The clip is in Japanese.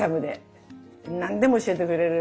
何でも教えてくれる。